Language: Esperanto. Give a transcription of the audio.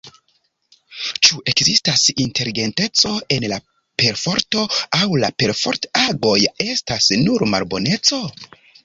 Ĉu ekzistas inteligenteco en la perforto, aŭ la perfort-agoj estas nur malboneco?